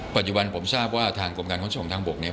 ปัจจุบันผมทราบว่าทางกรมการขนส่งทางบกเนี่ย